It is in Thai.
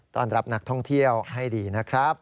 ต้อนรับนักท่องเที่ยวให้ดีนะครับ